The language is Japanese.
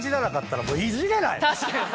確かに！